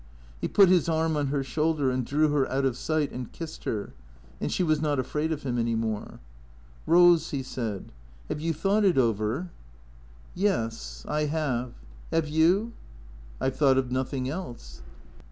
He put his arm on her shoulder and drew her out of sight and kissed her, and she was not afraid of him any more. " Rose/' he said, " have you thought it over ?" 50 THECREATOES " Yes, I have. Have you ?"" I 've thought of nothing else.''